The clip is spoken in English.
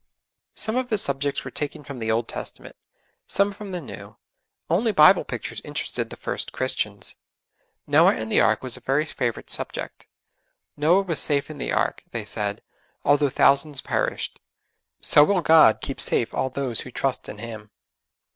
Some of the subjects were taken from the Old Testament, some from the New. Only Bible pictures interested the first Christians. Noah and the Ark was a very favourite subject. 'Noah was safe in the ark,' they said, 'although thousands perished. So will God keep safe all those who trust in Him.'